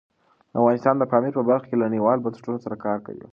افغانستان د پامیر په برخه کې له نړیوالو بنسټونو سره کار کوي.